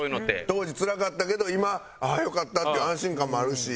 当時つらかったけど今ああよかったっていう安心感もあるし。